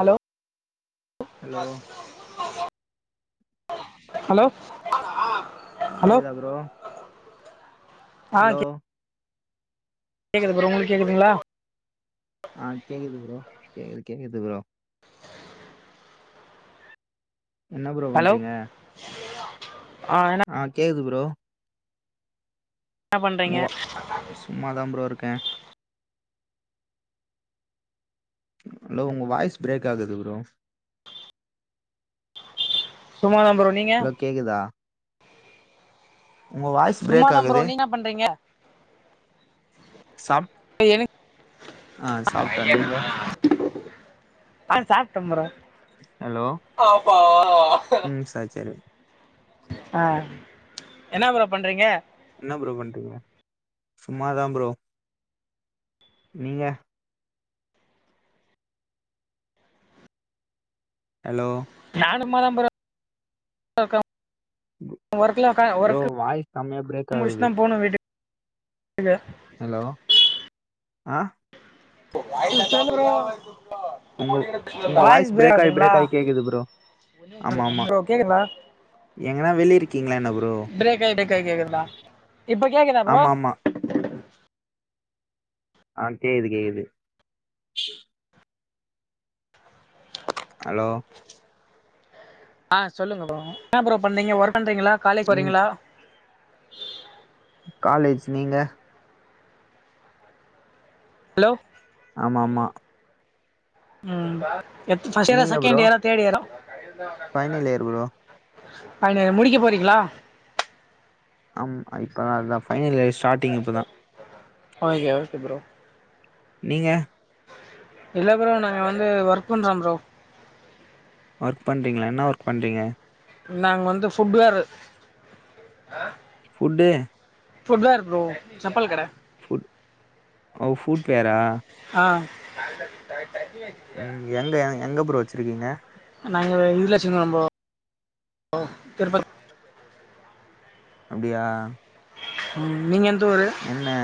Hello hello hello hello கேக்குதா bro hello கேக்குது bro உங்களுக்கு கேக்குதுங்களா ஆஹ் கேக்குது ப்ரோ கேக்குது கேக்குது ப்ரோ என்ன ப்ரோ பண்றீங்க ஆஹ் என்ன ஆ கேக்குது ப்ரோ என்ன உ பண்றீங்க சும்மாதான் ப்ரோ இருக்கேன் ஹலோ உங்க வாய்ஸ் பிரேக் ஆகுது ப்ரோ சும்மா தா அலோ கேக்குதா உங்க வாய்ஸ் சும்மா பிரேக் தான் ப்ரோ ஆகுது நீங்க என்ன பண்றீங்க சாப் எனக்கு ஆஹ் சாப்பிட்டன் நீங்க ஆஹ் சாப்பிட்டே ப்ரோ ஹலோ ஆப்பா ம் சரி சரி அஹ் என்ன ப்ரோ பண்றீங்க என்ன ப்ரோ பண்றீங்க சும்மாதான் ப்ரோ நீங்க ஹலோ நா சும்மா தா ப்ரோ [unintelligible] ஒர்க்லாம் க்க ப்ரோ ஒர்க் வாய்ஸ் செம்மையா பிரேக் முடிச்ட் ஆகுது தான் போனும் வீட்டுக் ங்க ஹலோ ஆஹ் [inaudible] உங்க உங்க வாய்ஸ் ப்ரேக் பிரேக் ஆயி ஆகுதுங்களா பிரேக் ஆயி கேக்குது ப்ரோ ஆமா ஆமா ப்ரோ கேக்குதா எங்கன்னா வெளிய இருக்கீங்களா என்ன ப்ரோ ப்ரேக் ஆயி ப்ரேக் ஆயி கேக்குறதா இப்பக் கேக்குதா ப்ரோ ஆமா ஆமா ஆஹ் கேக்குது கேக்குது ஹலோ ஆஹ் சொல்லுங்க ப்ரோ என்ன ப்ரோ பண்றீங்க ஒர்க் பண்றீங்களா காலேஜுக்கு ம் போறீங்களா காலேஜ் நீங்க ஹலோ ஆமா ஆமா உம் எ ஃபஸ்டியரா நீங்க ப்ரோ செகண்டியரா தேடியரா ஃபைனல் இயர் ப்ரோ அன முடிக்க போறீங்களா ஆம் இப்ப அதான் பைனலியர் ஸ்டாட்டிங் இப்பதான் ஓகே ஓகே ப்ரோ நீங்க இல்லை ப்ரோ நாங்க வந்து ஒர்க் பண்றோ ப்ரோ ஒர்க் பண்றீங்களா என்னா ஒர்க் பண்றீங்க நாங்க வந்து food வேரு food food வேரு bro chappal கட புட் ஓ ஃபுட் வேரா ஆஹ உம் எங்க எங்க ப்ரோ வச்சிருக்கீங்க நாங்க இதுலச்சிருக்கோம் ப்ரோ திருப்ப அப்டியா ம் நீங்க எந்த ஊரு என்ன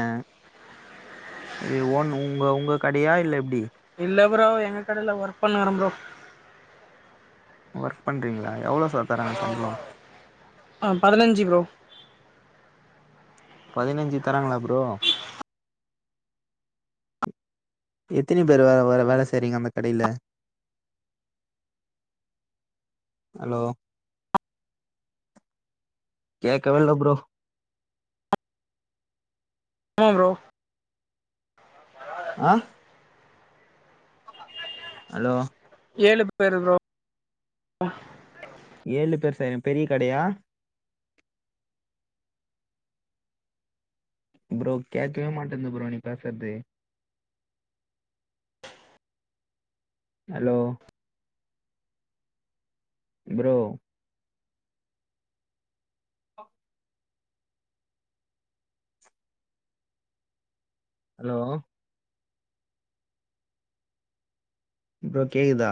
எப்டி ஓன் உங்க உங்க கடயா இல்ல எப்டி இல்ல ப்ரோ எங்க கடேல்ல ஒர்க் பண்ண வறேம்ப்ரோ ஒர்க் பண்றீங்களா எவ்ளோ சார் தராங்க சம்பளம் ஆஹ் பதினஞ்சு ப்ரோ பதினைஞ்சு தராங்களா ப்ரோ எத்தனி பேரு வேல வே வேல செய்றிங்க அந்த கடேல ஹலோ கேக்கவேல ப்ரோ ஆஹ் ப்ரோ ஆஹ ஹலோ ஏழு பேரு ப்ரோ ஏழு பேரு ச பெரிய கடையா ப்ரோ கேக்கவே மாட்டேது ப்ரோ நீ பேசுறது ஹலோ ப்ரோ ஹலோ ப்ரோ கேக்குதா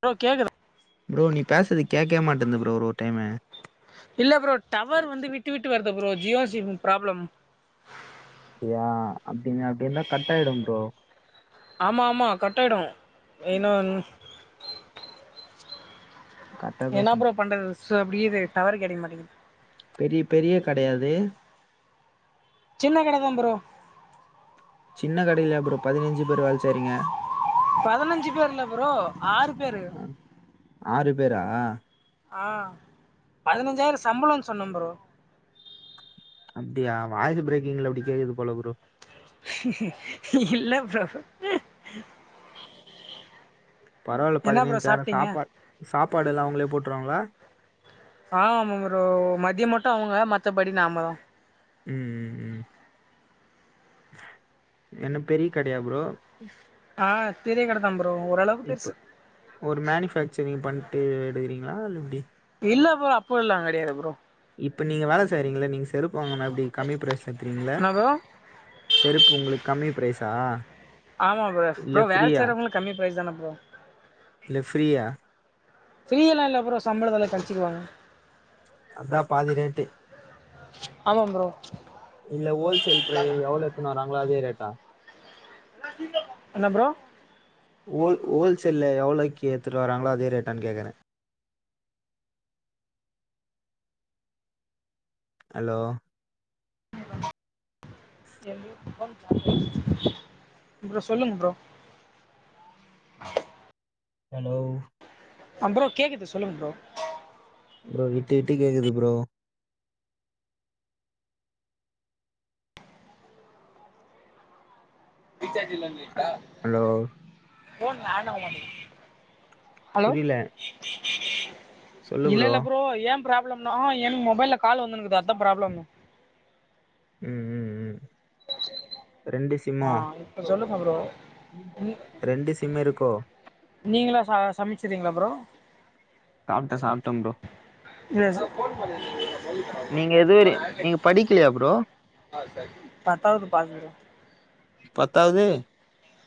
ப்ரோ கேக்குத ப்ரோ நீ பேசறது கேக்கவே மாட்டேந்து ப்ரோ ஒரு டைமு இல்ல ப்ரோ டவர் வந்து விட்டு விட்டு வருது ப்ரோ ஜியோ சிம் ப்ராப்ளம் அப்டியா அப்டின்னா அப்டிருந்தா கட்டாயிடும்ப்ரோ ஆமா ஆமா கட்டாயிடும் இன்னும் கரெக்டா என்ன பேசுங்க ப்ரோ பண்றது அப்டியே இது டவரு கெடைக்க மாட்டேங்குது பெரிய பெரிய கடையாது சின்ன கட தாம்ப்ரோ சின்ன கடேல அப்றம் பதினஞ்சு பேரு வேல செய்றிங்க பதினஞ்சு பேர் இல்ல ப்ரோ ஆறு பேரு ஆஹ் ஆஹ் பதினஞ்சாயிரம் சம்பளனு சொன்னேம்ப்ரோ அப்டியா வாய்ஸூ பிரேக்கிங்ல அப்டி கேக்குது போல குரு இல்ல ப்ரோ பரவாயில்ல என்ன ப்ரோ பதினஞ்சாயிரம் சாப்ட்டீங்க சாப்பாடு சாப்பாடு எல்லாம் அவங்களே போட்டுருவாங்களா ஆஹ் ஆமா ஒரு மதியம் மட்டும் அவங்க மத்தபடி நாமதான் ஹ்ம் ஹ்ம் ஹ்ம் என்ன பெரிய கடையா பரோ ஆஹ பெரிய கடதான் ப்ரோ ஓரளவுக்கு இப்ப பெருசு ஒரு மேனுபேக்சரிங் பண்ணிட்டு எடுகறீங்களா இல் எப்படி இல்ல ப்றம் அப்போ இல்லாம் கிடையாது ப்ரோ இப்ப நீங்க வேலை செய்றீங்கள நீங்க செருப்பு வாங்கன்னா அப்படி கம்மி பிர்ஸ் எத்துறீங்கள என்ன ப்ரோ செருப்பு உங்களுக்கு கம்மி பிரைஸா ஆமா ப்ரோம் இல்ல அரோம் வேலை ஃப்ரீயா? செய்றவங்களளுக்கு கம்மி பரைஸ் தானே ப்ரோ ஃப்ரியா பிரீல்லாம் இல்ல ப்ரோ சம்பளத்துல கழிச்சிக்குவாங்க அதான் பாதி ரெண்டு ஆமா ப்ரோ இல்ல ஹோல்சேல் பரை எவ்வளோ எத்தன வறாங்கள அதே ரேட்டா என்ன பரோ ஹோல் ஹோல்சேல்லல எவ்வளோக்கு ஏடுத்துட்டு வராங்களோ அதே ரேட்டான்னு கேக்குறேன் ஹலோ ப்ரோ சொல்லுங்க ப்ரோ ஹலோ ஆ் ப்ரோ கேக்குது சொல்லுங்க ப்ரோ ப்ரோ இட்டு இட்டு கேக்குது ப்ரோ ரீசார்ஜ் இல்லட்டா ஹலோ போன் நான ஹலோ புரில சொல்லு இல்ல ப்ரோ. இல்ல பரோ ஏன் ப்ராப்ளம்னா மொபைல்ல கால் வந்துக்குது அத ப்ராப்ளம் ஹ்ம் ஹ்ம் ஹ்ம் ஆஹ் இப்ப சொல்லுங்க ப்ரோ ம் ரெண்டு சிம் இருக்கோ நீங்களா ச சமைச்சறீங்களா ப்ரோ சப்பிட்டன் சாப்பிட்டன் ப்ரோ இ நீங்க எதுவர நீங்க படிக்கலையா அ பரோ பாத்தவது பாசு பத்தவுது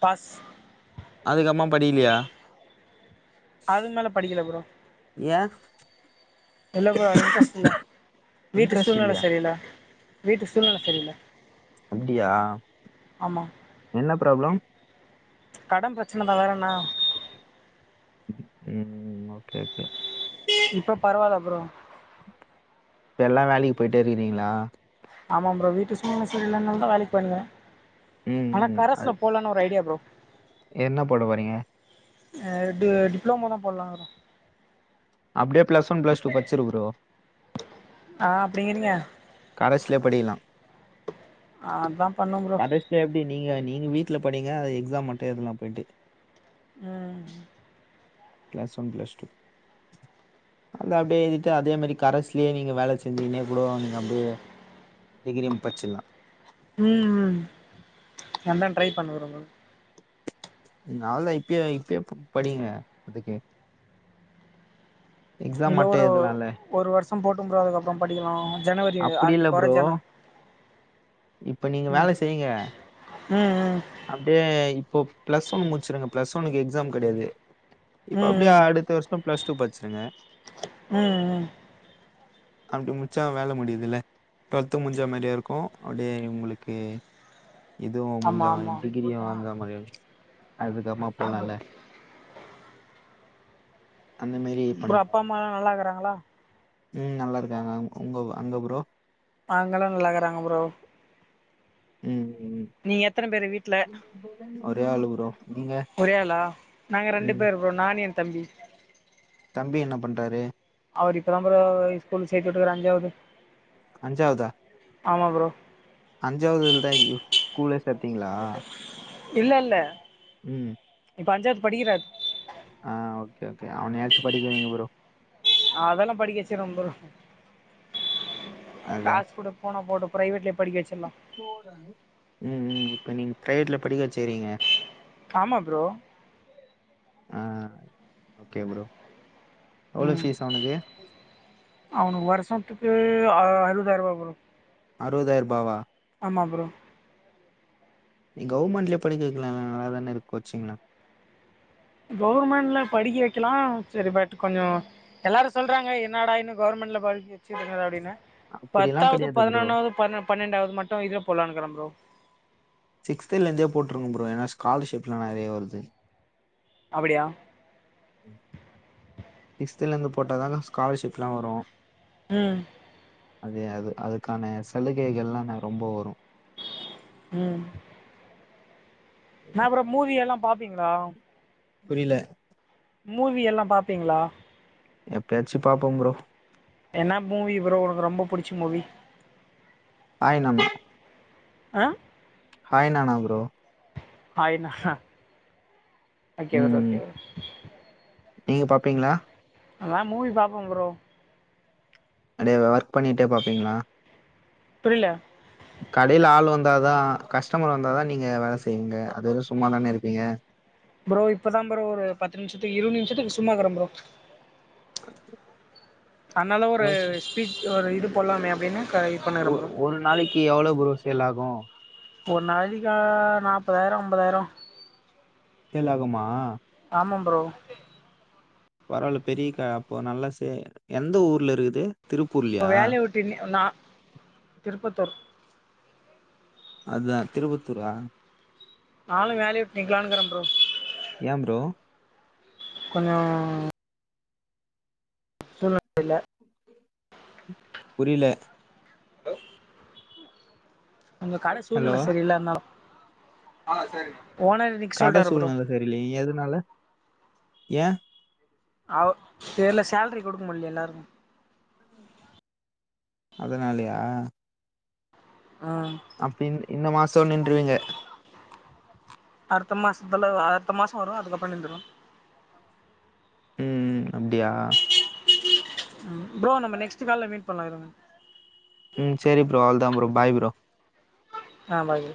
பாஸ் அது மேல படிக்கல ப்ரோம் ஏ எல்ல இன்ட்ரெஸ்ட் இல்ல வீட்டு இன்ட்ரெஸ்ட் இல்லையா? சூழ்னல சரியில்ல வீட்டு சூழ்நில சரியில்ல அப்படியா ஆமா என்ன ப்ராப்ளம் கடன் பிரச்சனை த வேறண்ணா ஹ்ம்ம் ஓகே ஓகே இப்போ பரவாயில்ல ப்ரோ இப்ப எல்லாம் வேலைக்கு போயிட்டே இருக்கிறீங்களா ஆமாம் ப்ரோ வீட்டு சும்னு சரிய இல்லைனால தான் வேலைக்கு போய்ருந்தன் ம் ஆனா ம். அது கரசுல போலன்னனு ஒரு ஐடியா ப்ரோ என்ன போட வரீங்க அஹ டிப்ளோம தான் போடலாம்னு அப்டே பிளஸ் ஒன் பிளஸ் டூ பச்சிருக்குறோ நீங்கனிய கரஸ்ல படிக்கலா அதாப்பண்ணு ப்ரோ நீங்க நீங்க வீட்ல படீங்க. அது எக்ஸாம் மட்டு எதெலா போய்ட்டு. உம் ப்ளஸ்ஒன் ப்ளஸ்டூ அது அப்டியே எழ்திட்டு அதே மாரி கரஸ்லே நீங்க வேல செஞ்சிகினே கூடோ நம் டியே டிகிரிம் பச்சல்லா உம் உம் அதா ட்ரை பண்ணிருக்கர ப்ரோ நாள்தா இப்பயே இப்பயே படிங்க அதுக்கு எக்ஸாம் இல்ல மட்டும் ஒரு எழுதலாம்ல ஒரு வர்ஷோ போட்டுப்ரோ அதுக்கப்றோ படிக்கலா. ஜனவரி [unintelligible] போறஜன இப்ப நீங்க வேல செய்ங்க ம் ம் அப்டியே இப் போ ப்ளஸ்ஒன் முச்சுருங்க. பிளஸ் ஒன்க்கு எக்ஸாம் கெடையாது. இப்ப அப்டிய அடுத்த வர்ஷோ ப்ளஸ் டூ பச்சுருங்க. உம் உம் அப்டி முச்சா வேல முடீதுல்ல டுவல்த்தூ முட்ஞ்ச மாரியா இருக்கூ. அப்டியே உங்களுக்கு இதுவு ஆமா முட்ஞ்சா ஆமா டிகிரியே வாங்காம அதுகமா போனாலே அப்றோ அப்பா அம்மாலா நல்லா இக்கறாங்களா? உம் நல்லா இருக்காங்க உங்க அங்க ப்ரோ அங்கல்லா நல்லாக்கறாங்க ப்ரோ உம் நீங்க எத்தன பேரு வீட் ஒரே ஆளு ப்ரோ நீங்க? ஒரேஆளா நாங்க ரெண்டு ம். பேருக்றோ நானு எ தம்பி தம்பி என்ன பண்றாரு? அவரு இப்பதா ப்ரோ ஸ்கூல் சேத்தி வுட்டுக்கற அஞ்சாவது அஞ்சாவ்தா? ஆமா ப்ரோ. அஞ்சாவது இதுலதா இது ஸ்கூலே சேத்தீங்ளா? இல்லல்ல உம் ப்பஞ்சாத் படிக்கறாரு. ஆஹ் ஓக்கே ஓகே அவனயாச்சு படிக்க வைங்க ப்ரோ. அதெல்லா படிக்கச்சுருவ ப்ரோ. காச் கூட போனா போட்டு பிரைவேட்லயே படிக்க வச்சிடலா உம் உம் இப்ப நீங்க ப்ரைவேட்ல படிக்க வச்சிகிறீங்க? ஆமா ப்ரோ ஆஹ் ஓக்கே ப்ரோ. எவ்ளோ ஃபீஸ் அவனுக்கு அவனுக் வருஷத்துக்கு அறுவதாய் ரூவா ப்ரோ. அறுவதாயிர் ரூபாவா? ஆமா ப்ரோ நீ கவ்ர்மெண்ட்லயே படிக்க வைக்கலால்ல நல்லாதான இருக்கு கோச்சிங்கு. கவுர்மெண்ட்ல படிக்க வைக்கலா செரி பட் கொஞ்சோ எல்லாரு சொல்றாங்க என்னடா இன்னு கவர்மெ ண்ட்ல படிக்கவச்சு இப்பென்னடா அப்டின்னு அப்டிலா பத்தாவது கெடையாது ப்ரோ பதினொனாவது பன்ன பன்னெண்டாவது மட்டு இதுல போலானிக்கர ப்ரோ சிக்ஸ்திலந்தே போட்ருங்க ப்ரோ ஏன்னா ஸ்காலர்ஷிப்லா நெறைய வருது. அப்பிடியா சிக்ஸ்தலந்து போட்டாதான ஸ்காலர்ஷிப்ல்லா வரு உம் அதே அது அதுக்கான சலுகைகள்லாரொம்ப வரு. உம் ந அப்புறம் மூவி எல்லாம் பாப்பீங்களா புரியல மூவி எல்லாம் பாப்பீங்களா எப்பயாச்சும் பாப்போம் பரோ என்ன மூவி ப்ரோ உனக்கு ரொம்ப புடிச்ச மூவி ஆனமா ஆஹ ஹாய் நானா ப்ரோ ஹாய் ஆன ம் ஓகே நீங்க பாப்பீங்களா அதான் மூவி பாப்போம் ப்ரோ அப்படியே ஒர்க் பண்ணிட்டே பாப்பீங்களா புரியல கடையில ஆள் வந்தாதான் கஸ்டமர் வந்தாதான் நீங்க வேலை செய்வீங்க அது வர சும்மாதானே இருப்பீங்க ப்ரோ இப்பதான் ப்ரோ ஒரு பத்து நிமிஷத்துக்கு இருபது நிமிஷத்துக்கு சும்மா இருக்கிற ப்ரோ அதனால ஒரு இருப்பீங்க பீச்ஒரு இது போடலாமே அப்படின்னு க இது பண்ணுகிறேன் ப்ரோ ஒரு நாளைக்கு எவ்வளவு ப்ரோ சேல் ஆகும் ஒரு நாளைதக்கா நாற்பதாயிரம் ஐம்பதாயிரம் எல்ல ஆகுமா ஆமா ப்ரோ பரவால பெரியக்கா அப்போ நல்லா சே எந்த ஊர்ல இருக்குது திருப்பூர்லயா வேலைய ஊட்டு ந திருப்பத்தூர் அததுான் திருவத்தூரா நானும் வேலைய விட்டு நீக்கலானுங்கிறேன் ப்ரோ ஏ ப்ரோ கொஞ்சம் சொன்னல புரியில ஹலோ உங்க கடை சூழ்ல ஹலோ சரி இல்லாம கடை சூழ்நிலைில சரியல எதுனால ஏன் அவ எல்லாம் செலரி கொடுக்கும் முடியல எல்லாரும் அதனாலயா ஆஹம் அப்ப இந்த மாசம் நின்றுவீங்க அடுத்த மாசத்துல அடுத்த மாசம் வரும் அதுக்கப்புறம் நின்றுவேன் உம் அப்டியா ம் ப்ரோ நம்ம நெக்ஸ்ட் கால்ல மீட் பண்ணலாம் ம் சரி ப்ரோ அவ்வளேதான் ப்ரோ பாய் ப்ரோ ஆ பாய்